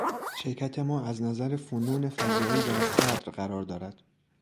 شرکت ما از نظر فنون فضایی در صدر قرار دارد.